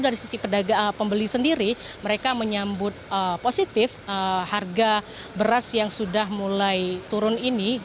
dari sisi pedagang pembeli sendiri mereka menyambut positif harga beras yang sudah mulai turun ini